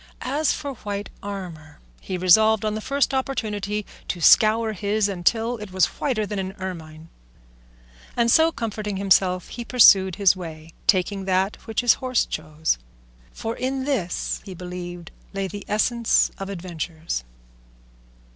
As for white armour, he resolved, on the first opportunity, to scour his until it was whiter than an ermine; and so comforting himself he pursued his way, taking that which his horse chose, for in this he believed lay the essence of adventures.